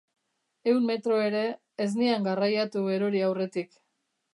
Ehun metro ere, ez nian garraiatu erori aurretik.